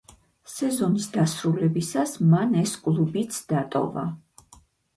სეზონის დასრულებისას მან ეს კლუბიც დატოვა.